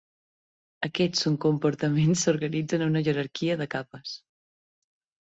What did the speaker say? Aquests subcomportaments s'organitzen en una jerarquia de capes.